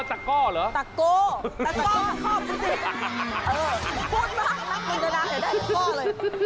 ตะก้อตะก้อพูดมากนับมุมดานะเดี๋ยวได้ตะก้อเลย